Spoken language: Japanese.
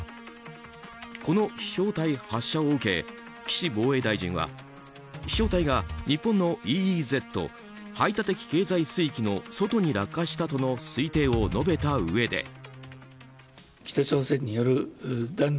この飛翔体発射を受け岸防衛大臣は飛翔体が日本のＥＥＺ・排他的経済水域の外に落下したとの推定を述べたうえで。